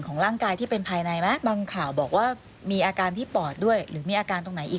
ก็ยังเจ็บตรงนี้ค่ะบ่อยค่ะ